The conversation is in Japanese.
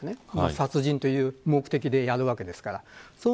殺人という目的でやるわけですから。